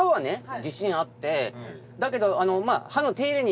だけど。